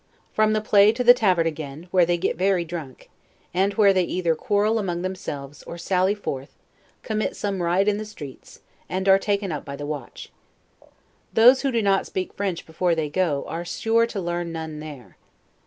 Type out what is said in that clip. From the play to the tavern again, where they get very drunk, and where they either quarrel among themselves, or sally forth, commit some riot in the streets, and are taken up by the watch. Those who do not speak French before they go, are sure to learn none there.